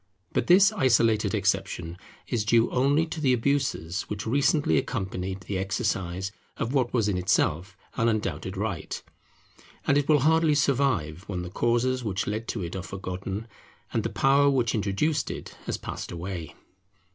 But this isolated exception is due only to the abuses which recently accompanied the exercise of what was in itself an undoubted right; and it will hardly survive when the causes which led to it are forgotten, and the power which introduced it has passed away.